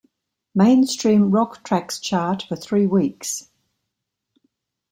Mainstream Rock Tracks chart for three weeks.